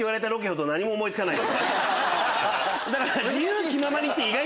だから。